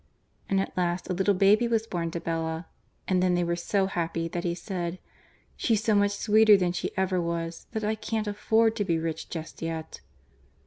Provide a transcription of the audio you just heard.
And at last a little baby was born to Bella, and then they were so happy that he said, "She's so much sweeter than she ever was that I can't afford to be rich just yet!"